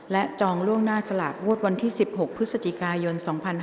และจองล่วงหน้าสลากงวดวันที่๑๖พฤศจิกายน๒๕๕๙